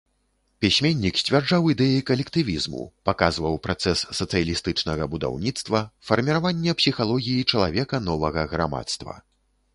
Пісьменнік сцвярджаў ідэі калектывізму, паказваў працэс сацыялістычнага будаўніцтва, фарміравання псіхалогіі чалавека новага грамадства.